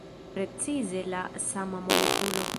Precize la sama molekulo.